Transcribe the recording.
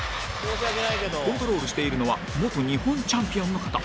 コントロールしているのは元日本チャンピオンの方。